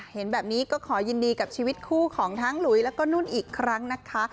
เห็นแบบนี้ก็ขอยินดีกับชีวิตคู่ของทั้งหลุยแล้วก็นุ่นอีกครั้งนะคะ